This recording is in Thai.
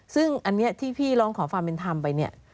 ซึ่งอันนี้ที่พี่ร้องขอความเป็นธรรมไปเนี่ย